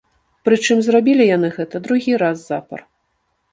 Прычым, зрабілі яны гэта другі раз запар.